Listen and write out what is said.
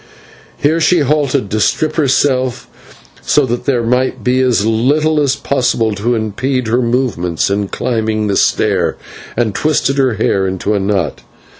Here she halted to strip herself so that there might be as little as possible to impede her movements in climbing the stair, and twisted her hair into a knot.